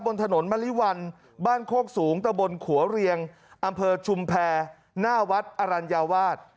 บนถนนมะลิวันบ้านโคกสูงตะบนขัวเรียงอำเภอชุมแพรหน้าวัดอรัญญาวาส